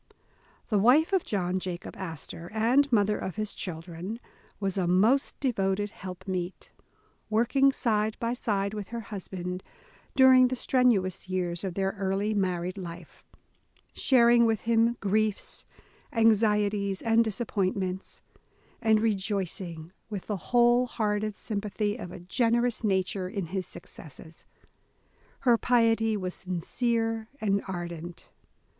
The wife of John Jacob Astor, and mother of his children, was a most devoted helpmeet, working side by side with her husband during the strenuous years of their early married life, sharing with him griefs, anxieties, and disappointments; and rejoicing, with the whole hearted sympathy of a generous nature, in his successes. Her piety was sincere and ardent.